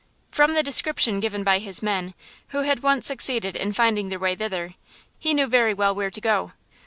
From the description given by his men, who had once succeeded in finding their way thither, he knew very well where to go.